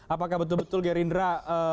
apakah betul betul gerindra